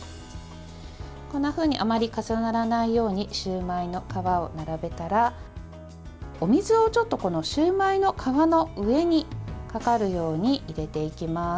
こんなふうにあまり重ならないようにシューマイの皮を並べたらお水をちょっとこのシューマイの皮の上にかかるように入れていきます。